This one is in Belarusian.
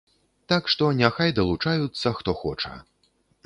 Так што няхай далучаюцца, хто хоча.